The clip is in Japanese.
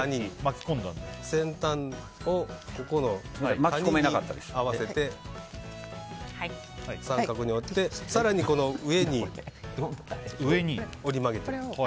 先端を、ここの谷に合わせて三角に折って更に、この上に折り曲げていく。